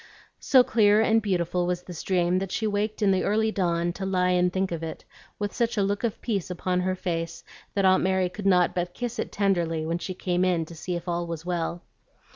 So clear and beautiful was this dream that she waked in the early dawn to lie and think of it, with such a look of peace upon her face that Aunt Mary could not but kiss it tenderly when she came in to see if all was well.